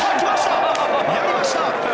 やりました！